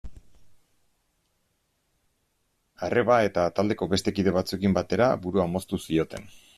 Arreba eta taldeko beste kide batzuekin batera, burua moztu zioten.